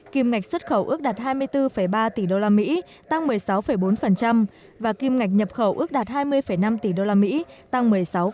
kim ngạch xuất khẩu ước đạt hai mươi bốn ba tỷ đô la mỹ tăng một mươi sáu bốn và kim ngạch nhập khẩu ước đạt hai mươi năm tỷ đô la mỹ tăng một mươi sáu hai